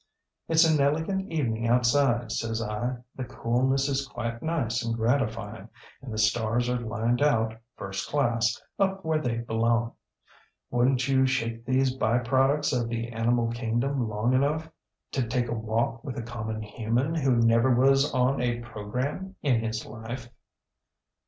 ŌĆ£ŌĆśItŌĆÖs an elegant evening outside, ŌĆÖ says I. ŌĆśThe coolness is quite nice and gratifying, and the stars are lined out, first class, up where they belong. WouldnŌĆÖt you shake these by products of the animal kingdom long enough to take a walk with a common human who never was on a programme in his life?